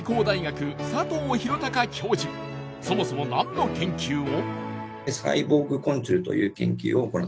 そもそもなんの研究を？